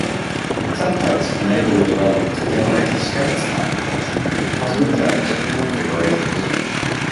Templates enable the developer to generate a skeleton application with custom gems and configurations.